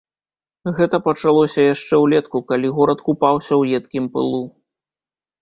Гэта пачалося яшчэ ўлетку, калі горад купаўся ў едкім пылу.